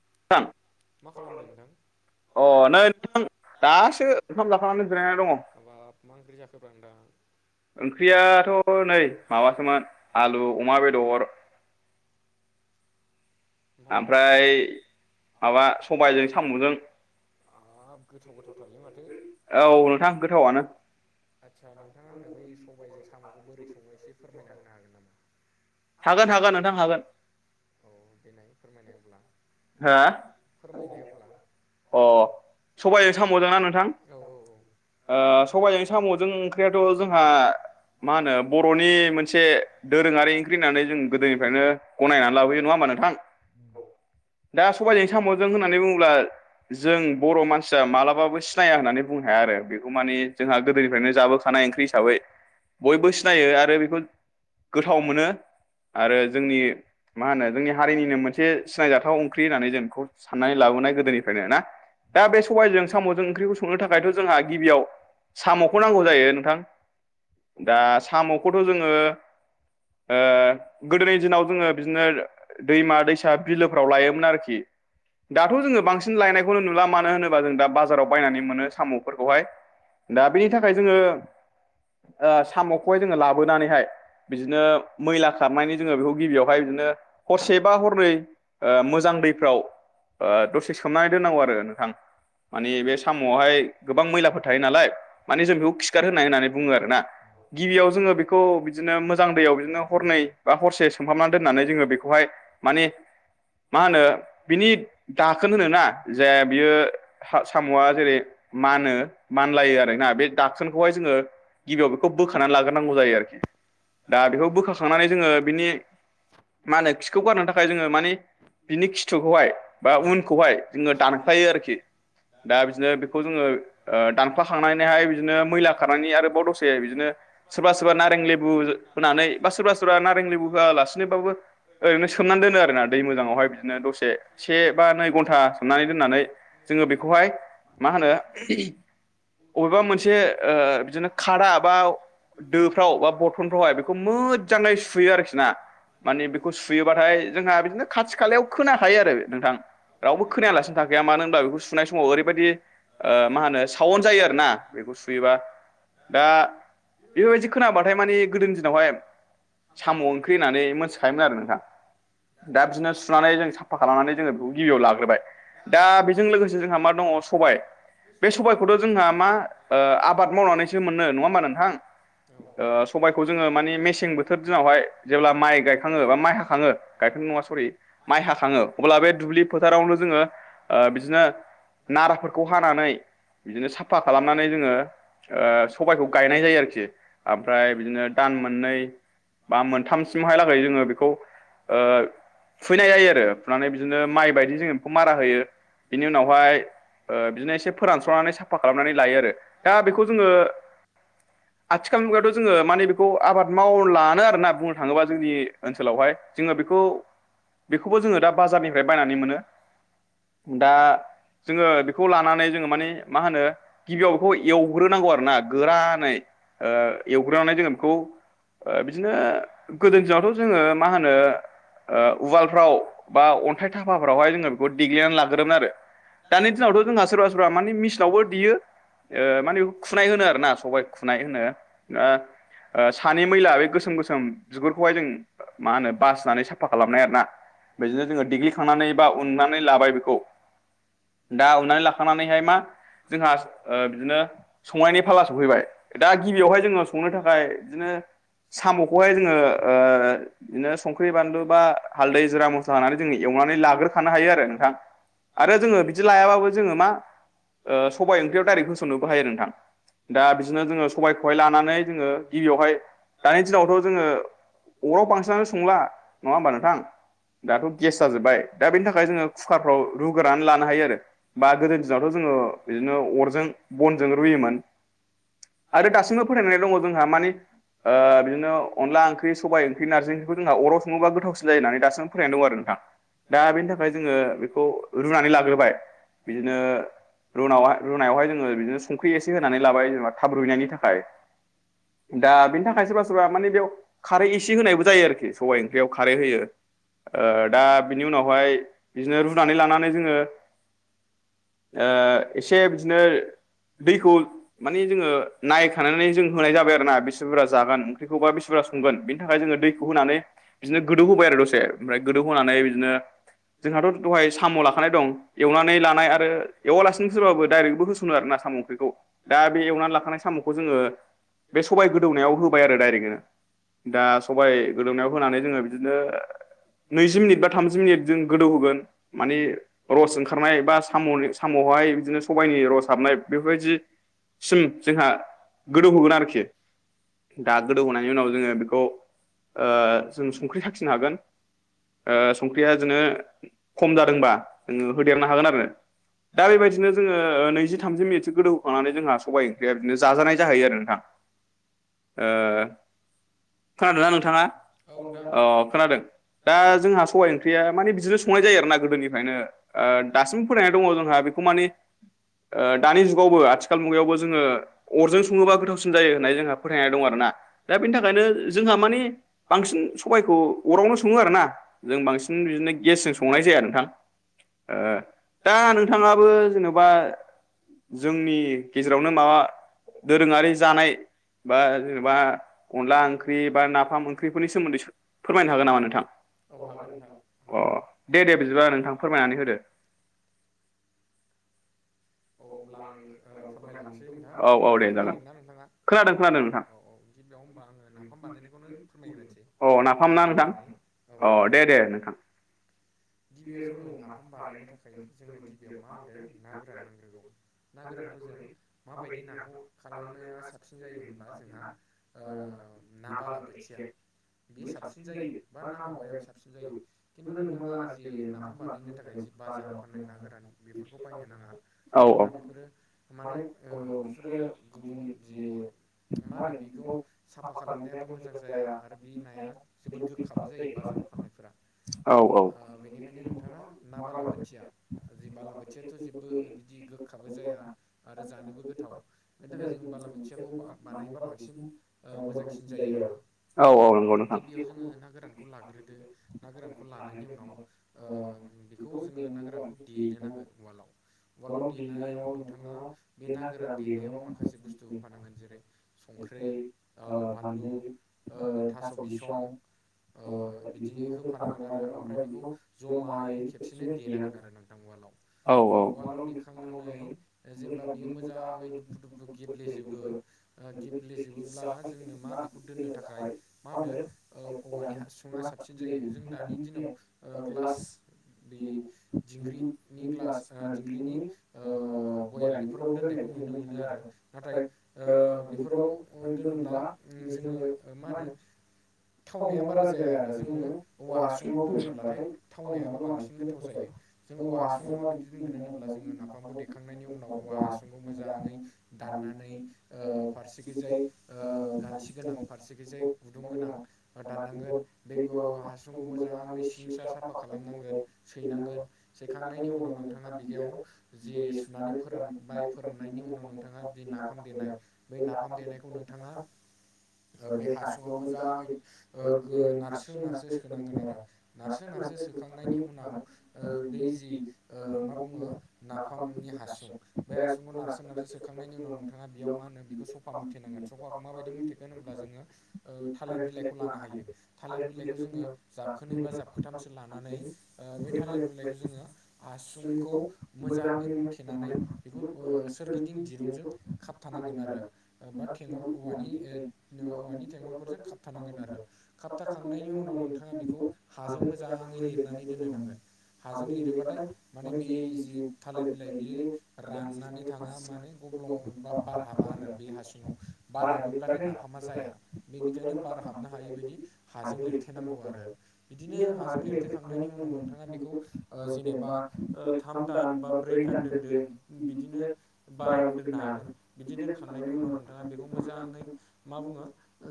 [unintelligible] मा खालामदों नोंथां? अ नै नों दासो ओंखाम जाखांनानै जिरायनानै दङ हाबाब मा ओंख्रि जाखोब्रा नोंथां ओंख्रियाथ' नै माबासोमोन आलु अमा बेदर। ओमफ्राय माबा सबायजों साम'जों। हाब गोथाव गोथावथारलै माथो औ नोंथां गोथावनो आदसा नोंथाङा आंनो बे सबायजों साम'खौ बोरै सङो एसे फोरमायना होनो हागोन नामा [unintelligible] हागोन हागोन नोंथां हागोन बेनाय फोरमायनाय अब्ला हो फोरमायनायाव [unintelligible] अ सबायजों सामजों ना नोंथां औ औ ओ सबायजों सामजों ओंख्रियाथ जोंहा मा होनो बरनि मोनसे दोरोंङारि जों गोदोनिफ्रायनो गनायनानै लाबोयो नंङा होमबा नोंथां दा सबायाइजों सामजों होननानै बुङोब्ला जों बर मानसिया मालाबाबो सिनाया होननानै बुंनो हाया आरो बेखौ माने जोंहा गोदोनिफ्रायनो जाबोखानाय नाय ओंख्रि हिसाबै बयबो सिनायो आरो बेखौ गोथाव मोनो आरो जोंनि मा होनो जोंनि हारिनिनो मोनसे सिनायजाथाव ओंख्रि होननानै जों बेखौ साननानै लाबोनाय गोदोनिफ्रायनो ना। दा बे सबबायजों सामजों ओंख्रिखौ संनो थाखायथ जोंहा गिबियाव सामखौ नांगौ जायो नोंथां। दा सामखौथ जोंङो ओ गोदोनि दिनाव जोंङो बिदिनो दैमा-दैसा बिलोफ्राव लायोमोन आरोखि। दाथ जोंङो बांसिन लायनायखौनो नुला। मानो होनोबा जों दा बाजाराव बायनानै मोनो सामफोरखौहाय दा बेनि थाखाय जोंङो ओ साम'खौहाय जोंङो लाबोनानैहाय बिदिनो मैला खारनायनि जोंङो बेखौ गिबियावहाय बिदिनो हरसेबा हरनै ओ मोजां दैफ्राव ओ दसे सोमनानै दोननांगौ आरो नोंथां। माने बे सामआवहाय गोबां मैलाफोर थायो नालाय माने जों बेखौ खिगार होनाय होननानै बुङो आरोना। गिबियाव जोंङो बेखौ बिदिनो मोजां दैयाव बिदिनो हरनै बा हरसे सोमहाबनानै दोननानै जोंङो बेखौहाय माने मा होनो बिनि दाखोन होनोना जे बियो साम'आ जेरै मानो मानलायो आरोना बे दाकोनखौहाय जोंङो गिबियाव बेखौ बोखानानै लाग्रोनांगौ जायो आरोखि। दा बेखौ बोखा- खांनानै जोंङो बिनि मा होनो खिखौ गारनो थाखाय जोंङो माने बिनि खिथुखौहाय बा उनखौहाय जोंङो दानखलायो आरोखि। दा बिदिनो बेखौ जोंङो ओ दानखला खांनानैहाय बिदिनो मैला खारनायनि आरोबाव दसे बिदिनो सोरबा सोरबा नारें लेबु होनानै बा सोरबा सोरबा नारें लेबु होआलासिनोबाबो ओरैनो सोमनानै दोनो आरोना दै मोजाङावहाय बिदिनो दसे से बा नै घन्टा सोमनानै दोननानै जोंङो बेखौहाय मा होनो बबेबा मोनसे बिदिनो खादा बा दोफ्राआव बा बथनफोराव मोजांङै सुयो आरोखि ना। माने बेखौ सुयोबाथाय जोंहा बिदिनो खाथि खालायाव खोना खायो आरो नोंथां। रावबो खोनायालासिनो थाखायाया मानो होनब्ला बेखौ सुनाय समाव ओरैबायदि मा होनो सावन्ड जायो आरोना। बेखौ सुयोबा दा बेफोरबायदि खोनाबाथाय माने गोदोनि दिनावहाय साम' ओंख्रि होननानै मोनथिखायोमोन आरो नोंथां। दा बिदिनो सुनानै जों साफा खालामनानै जोंङो बेखौ गिबियाव लाग्रोबाय। दा बेजों लोगोसे जोंहा मा दं- ङ सबाय बे सबायखौथ जोंहा मा ओ आबाद मावनानैसो मोनो। नंङा होमबा नोंथां? औ ओ सबबायखौ जोंङो मे- मेसें बोथोर दिनावहाय जेब्ला माइ गायखांङो बा माइ हाखांङो गायखाडो नङा सरि। माय हाखांङो अब्ला- बे दुब्लि फोथारावनो जोनङो बिदिनो नाराफोरखौ हानानै बिदिनो साफा खालामनानै जोंङो ओ सबायखौ गायनाय जायो आरोखि। ओमफ्राय बिदिनो दान मोननै बा मोनथामसिमहालागै जोंङो बेखौ ओ फुनाय जायो आरो फुनानै बिदिनो माइ बायदि जोंङो बेखौ मारा होयो। बिनि उनावहाय ओ बिदिनो एसे फोरानस्रनानै साफा खालामनानै लायो आरो। दा बेखौ जोंङो आथिखाल मुगायावथ जोंङो माने बेखौ आबाद- मावनो लानो आरोना बुंनो थांङोबा जोंनि ओनसोलावहाय जोंङो बेखौ बेखौबो जोङो दा बाजारनिफ्राय बायनानै मोनो। दा जोङो बेखौ लानानै जोङो माने मा होनो गिबियाव बेखौ एवग्रोनांगौ आरोना गोरानै। ओ एवग्रोनानै जोङो बेखौ बिदिनो गोदोनि दिनावथ' जोङो मा होनो ओ उवालफ्राव बा अन्थाइ थाफाफ्रावहाय जोङो बेखौ देग्लिनानै लाग्रो- दानि दिनावथ' जोंहा सोरबा सोरबा माने मिसिनावबो देयो। ओ माने खुनाय होनो आरो ना सबाय खुनाय होनो। ओ ओ सानि मैला बे गोसोम गोसोम बिगुरखौहाय जों मा होनो बासिनानै साफा खालामनाय आरोन ना। बेदिनो जोङो देग्लिखांनानै बा उननानै लाबाय बेखौ दा उननानै लाखानानैहाय मा जोंहा बिदिनो संनायनि फाला सफैबाय दा गिबियावहाय जोङो संनो थाखाय बिदिनो साम'खौहाय जोङो ओ बिदिनो संख्रि बानलु बा हालदै जिरा मस्ला होनानै जों ए संनानै लाग्रोखानो हायो आरो ना नोंथां आरो जोङो बिदि लायाबाबो जोङो मा ओ सबाय ओंख्रियाव डाइरेक्ट होसननोबो हायो नोंथां दा बिदिनो जोङो सबायखौहाय लानानै जोङो गिबियावहाय दानि दिनावथ' जोङो अराव बांसिनानो संला नङा होमबा नोंथां दाथ' गेस जाजोब्बाय दा बेनि थाखाय जोङो कुकारफ्राव रुग्रोनानै लानो हायो आरो बा गोदोनि दिनावथ' जोङो बिदिनो अरजों बनजों रुयोमोन आरो दासिमबो फोथायनानै दङ जोंहा माने ओ बिदिनो अनला ओंख्रि सबाइ ओंख्रि नारजि ओंख्रिखौ जोंहा अराव सङोबा गोथावसिन जायो होननानै दाससिम फैनायनानै दं आरो नोंथां दा बेनि थाखाय जोङो बेखौ रुनानै लाग्रोबाय बिदिनो रुनायावहाय जोङो बिदिनो संख्रि एसे होनानै लाबाय जेनेबा थाब रुयनायनि थाखाय दा बे सोरबा सोरबा माने बेयाव खारै इसे होनायबो जायो आरोखि सबाइ ओंख्रियाव खारै होयो ओ दा बिनि उनावहाय बिदिनो रुनानै लानानै जोङो ओ एसे बिदिनो दैखौ माने जोङो नायखानानै जों होनाय जाबाय आरो ना बेसे बुरजा जागोन ओंख्रिखौबा बेसे बुरजा संगोन बेनि थाखाय जों दैखौ होनानै बिदिनो गोदौ होबाय आरो दसे ओफ्राय गोदौ होनानै बिदिनो जोंहाथ' दहाय साम' लाखानाय दं एवनानै लानाय आरो एवालासिनो सोरबाबो डाइरेक्टबो होस'नो आरोना साम' ओंख्रिखौ दा बे एवनानै लाखानाय साम'खौ जोङो बे सबाय गोदौनायाव होबाय आरो डाइरेक्टनो दा सबाय गोदौमनायाव होनानै जोङो बिदिनो नैजि मिनिट बा थामजि मिनिट जों गोदौ होगोन माने रस ओंखारनाय बा साम' साम'आवहाय बिदिनो सबायाइनि रस हाबनाय बेफोरबायदि सिम जोंहा गोदौ होगोन आरोखि दा गोदौहोनायनायनि उनाव जोङो बेखौ ओ जों संख्रि सखिनो हागोन ओ संख्रिया बेदिनो खम जादोंबा जोङो होदेरनो हागोन आरो दा बेबायदिनो जोङो नैजि थामजि मिनिटसो गोदौखांनानै जोंहा सबबाय ओंख्रिया बिदिनो जाजानाय जाहैयो आरो नोंथां [inaudible] ओ खोनादोंना नोंथाङा औ नोंथां अ खोनादों दा जोंहा सबाइ ओंख्रिया माने बिदिनो संनाय जायो आरो ना गोदोनिफ्रायनो दासिम फोथायनाय दङ जोंहा बेखौ माने ओ दानि जुगावबो आथिखाल मुगायावबो जोङो अरजों सङोबा गोथावसिन जायो होननाय जोंहा फोथायनाय दं आरोना दा बेनि थाखायनो जोंहा माने बांसिन सबबायखौ अरावनो सङो आरोना जों बांसिन बिदिनो गेसजों संङा नाय जाया नोंथां दा नोंथाङाबो जेन'बा जोंनि गेजेरावनो माबा दोरोङारि जानाय बा जेनेबा अनला ओंख्रि बा नाफाम ओंख्रिफोरनि सोमोन्दै फोरमायनो हागोन नामा नोंथां? औ हागोन नोंथां अ हागोन दे दे बिदिबा नोंथां फोरमायनानै होदो औ अब्ला आं फोरमायलांसै औ औ नोंथां दे जागोन खोनादों ना नोंथाङा खोनादों खोनादों नोंथां थिग दं होनबा आङो नाफाम बानायनायखौनो फोरमायग्रोसै औ नाफाम ना बोरै बोरै नोंथां बानायो औ अ औ [unintelligible] गिबियाव जोङो नाफाम बानायनो थाखाय जोंनो गिबियाव मा होनदों ना गोरान नांग्रोगौ ना गोरानखौ जों माबायदि नाखौ खालामनाया साबसिन जायो हब्ला जोंहा ना बालाबोथिया बे बेाय साबसिन जायो बा मा ना नामाव मावायाबो साबसिन ज जायो खिन्थु बेखौनो नोंथाङा जि नाफाम बानायनो थाखाय जि बाजाराव फाननाय ना गोरान बेफोरखौ बायनो नाङा मानोना बेफोरो माने ओ बेफोरो फाइभ गुबुन जि [unintelligible] मा होनो बेखौ साफा खालामनायाबो मोजां जाया आरो बे नाया जोबोद गोखाबो जायो बाजाराव फाननाय फोरा औ औ बेनिखायनो नोंथाङा ना बालाबोथिया बालाबोथियाथ' जेबो बिदि गोखाबो जाया आरो जानोबो गोथाव बेनि थाखाय जों बालाबोथिया बानायबा बांसिन मोजांसिन जायो आरो औ औ नंगौ नोंथां गिबियाव जोङो ना गोरानखौ लाग्रोदो ना गोरानखौ लानाय अ ना [unintelligible] गोरानखौ देनो नांगोन [inaudible] उवालाव उवालाव ना देनायाव नोंथाङा गोरान देनायाव [unintelligible] गोन जेरै संख्रै बानलु थास' बिसं ओ अ बिदि इदिनो होफानांगोन होफादों आरो ओमफ्राय बेखौ जमायै खेबसेनो देनांगोन आरो नोंथां उवालाव औ वालाव दैखांनानै जेब्ला बियो मोजाङै दुफु दुफु गेब्लेजोब गेब्लेेजबोब्ला जोंनो मा बेखौ दोननो थाखाय मा होनो हासुङा साबसिन जायो जों दानि दिनाव [unintelligible] ओ क्लास बे दिंग्रिनि ग्लास दिंग्रिनि बयाम बेफोराव दोननायखौ नुनो मोनो आरो नाथाय बेफोराव दोनोब्ला जोङो मा होनो थावनाया बारा जाया आरो जों मोनो औवाहांसुंवबो अब्लाथाय थावनायाबो बांसिन गोथाव जायो जों औव हासुंवाव माबायदि दोनगोन होनोब्ला जोङो नाफामखौ देखां उनाव औवा हखौ मोजै दनानै फारसेथिजाय ओ ग गोनां फारसे गुदुं गोनां दाननंगोन बे हासुंखौ मै साफा खालामनांगोन सैनांगोन सैखांनायनि उनाव नोंथाङा बिगायाव जि सुना माने फोरानबाय फोराननायनि उनाव नोंथाङा जि नाफाम देनाय बै नाफाम देनायखौ नोंथाङा बे हासुङाव मोजाङै नारसो नारसो सोनांगोन आरो नारसो नारसो सोखांनायनि उनाव बै जि मा बुङो नाफामनि हासुं बे हासुंखौ नार नार सोखांनायनि उनाव नोंथाङा बेयाव मा होनो बेखौ सफा मुथैनांगोन सफाखौ माबायदि मुथेगोन होनब्ला जोङो थालिर बिलाइखौ ल हायो थालिर बिलाइखौ जोङो जाबखोनै बा खोथामसो लानानै बे थालिर बिुलाइखौ जोङोहासुंखौ मोजाङै मुथेनानै नाय बेफोर सोरगिदिं दिरुं खथांगोन आरो नङाबा थेंगल औवानि औवानि थेंगलफोरजों खाबथानांगोन आरो खाबथाखांनायनि उनाव नोंथाङा बेखौ हाजों मोजाङै लिरनानै दोननो नांगोन हाजों लिरोबाथाय माने बे जि थालिर बिलाइ राननानै थाङा मानो ग्लं बार हाबा आरो बे हासुंआव बार हाबो हाबब्लाथाय नाफामा जाया बेनिखायनो बार हाबनो हायै बायदि हाजों लिरथेनांगौ आरो बिदिनो हाजों लिरथोखांनायनि उनाव नोंथाङा बेखौ जेनेबा थाम दान बा ब्रै दान दोनदो बिदिनो बाराबो दोननो हागोन बिदि दोनखांनायनि उनाव नोंथाङा बेखौ मोजां नै मा बुङो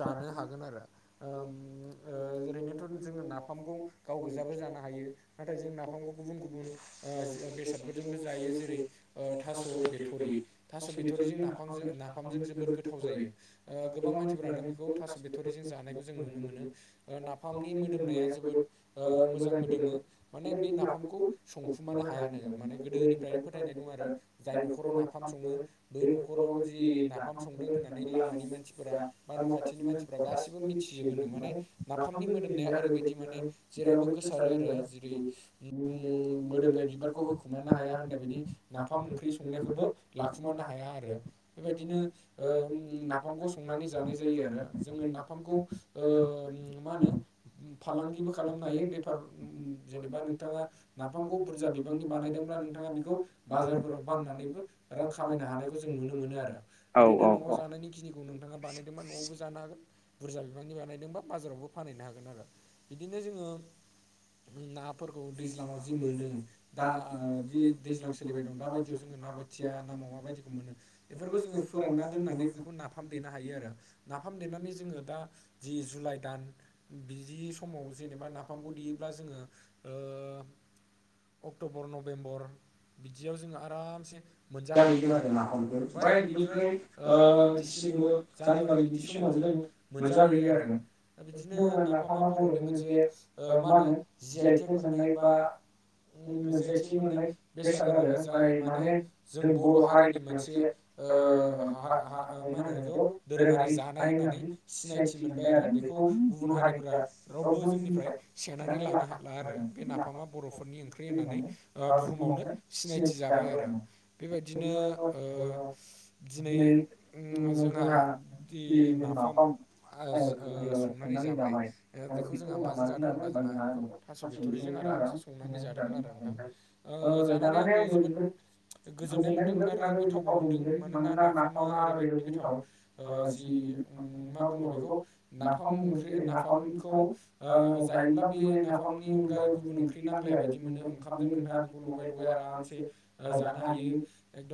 जानो हागोन आरो। ओ ओ ओरैनोथ' जोङो ना गाव गोजाबो जानो हायो नाथाय जों नाफामखौ गुबुन गुबुन ओ बेसादफोरजोंबो जायो जेरै रै ओ थास' बिथ'रि थास' बिथ'रिजों नाफामजों नाफामजों जोबोद गोथाव जायो गोबां मानसिफ्रानो बेखौ थास' बिथ'रिजों जानायखौ जों नुनो मोनो नाफामनि मोदोमनाया जोबोद मोजां मोदोमो माने बे नाफामखौ संखुमानो हायानो माने गोदोनिफ्राय फोथायनाय दं आरो जाय न'खराव नाफाम सङो बै न'खराव जि नाफाम संदों होननानै लामा मानि मानफोरा बा न'खाथिनि मानसिफोरा गासिबो मिथिजोबोनो माने नाफामनि मोदोमनाया ओरैबाय दि माने जेरावबो गोसारो आरो जेरै उम मोदोमनाय बिबारखौ होखुमानो हाया होननाय बायदि नाफाम ओंख्रि संनायखौबो लाखुमानो हाया आरो बेबायदिनो ओ नाफामखौ संनानै जानाय जायो आरो जोङो नाफाम माखौ ओ मा होनो फालांगिबो खालामनो हायो बेफार उ उ जेनेबा नोंथाङा नाफामखौ बुरजा बिबांनि बानायदोंब्ला नोंथाङा बिखौ बाजाराव बाननानैबो रां खामायनो हानायखौ जों नुनो मोनो आरो औ ओरैनो औ न'आव औ जानायनि खिनिखौ नोंथाङा बानायदोंमोना न'आवबो जानो हागोन बुरजा बिफांनि बानायदोंबा बाजारावबो फानहैनो हागोन आरो बिदिनो जोङो नाफोरखौ दैज्लाङाव जि मोनो दा दि दैज्लां सोलिबाय दं दा बायदियाव जोङो ना बो थिया ना मावा बायदिखौ मोनो बेफोरखौ जोङो फोरानना दोननानै नाफाम देनो हायो आरो नाफाम देनानै जोंङो दा जि जुलाय दान बिदि स समाव जेनेबा नाफामखौ देयोब्ला जोङो ओ अक्ट'बर नभेम्बर बिदियाव जोङो आरामसे मोनजाहैगोन आरो नाफामखौ बाय इनिफ्राय ओमफ्राय बेनिफ्राय ओ डिसेम्बर जानुवारि बिदि समावबो जों जोङो मोनजा मोनजाहैयो हैङो आरो दा बिदिनो नाफामा आरोना बर'नि मोनसे ओ मा होनो जिआइटेक मोननाय बा ओ जि आइ टेक मोननाय बेसाद आरो ओमफ्राय माने जों बर' हारिनि मोनसे ओ माबा माबा ओ मा होनो बेखौ दोरोंयारि जानाय होना नै सिनायथि मोनबाय आरो बेखौ गुबुन हारिफ्रा रावबो जोंनिफ्राय सेननानै लानो हाला आरो बे नाफामा बर'फोरनि ओंख्रि होननानै ओ बुहुमाव नो सिनायथि जाबाय आरो बेबायदिनो ओ दिनै ओ जोंहा दि नाफाम ओ ओ संनानै जाबाय बेखौ जोंहा माजों जादों होनबा जोंहा बेखौ थास' बिथ'रिजों आरामसे संनानै जादोंमोन आरो नोंथां ओ [unintelligible] गोजोन्नाय मोन्दों आरो गोथावबो मोन्दों मानोना नाफामा ओरैबायदि गोथाव ओ जि ओ मा बुङो बेखौ नाफाम बुङो जेरै नाफाम खौ ओ जायोब्ला बे नाफामनि अनगायै गुबुन ओंख्रि नांलाया बायदि मोनो ओंखामजों नोंथाङा बेखौ लगाय लगाय आरामसे ओ जानो हायो एखदम